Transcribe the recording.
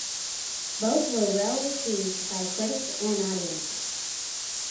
Both were well received by critics and audiences.